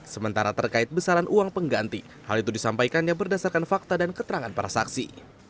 sementara terkait besaran uang pengganti hal itu disampaikannya berdasarkan fakta dan keterangan para saksi